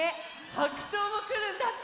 はくちょうもくるんだって！